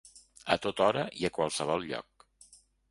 A tota hora i a qualsevol lloc.